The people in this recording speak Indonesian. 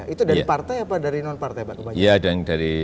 itu dari partai apa dari non partai pak